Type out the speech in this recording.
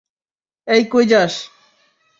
এই কই যাস?